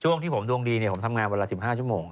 ช่วงที่ผมดวงดีเนี่ยผมทำงานเวลา๑๕ชั่วโมง